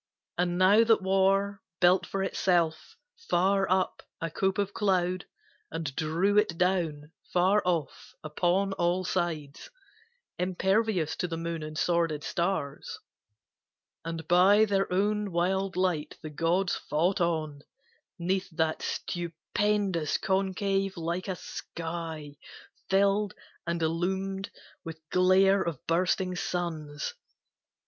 And now that war Built for itself, far up, a cope of cloud, And drew it down, far off, upon all sides, Impervious to the moon and sworded stars. And by their own wild light the gods fought on 'Neath that stupendous concave like a sky Filled and illumed with glare of bursting suns.